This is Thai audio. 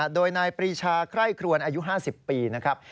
โดยนายปรีชาไคร่ครวนอายุ๕๐ปีนะครับ